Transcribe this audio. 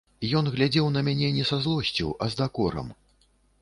Ён глядзеў на мяне не са злосцю, а з дакорам.